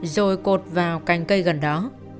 rồi cột vào cành cây gần đó